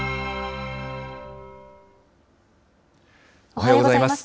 おはようございます。